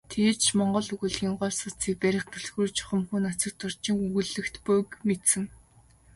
Тэгээд ч монгол өгүүллэгийн гол судсыг барих түлхүүр чухамхүү Нацагдоржийн өгүүллэгт буйг мэдсэн.